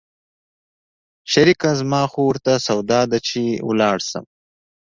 شريکه زما خو ورته سودا ده چې ولاړ سم.